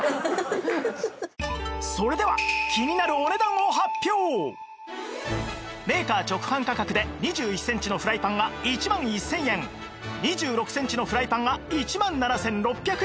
それではメーカー直販価格で２１センチのフライパンが１万１０００円２６センチのフライパンが１万７６００円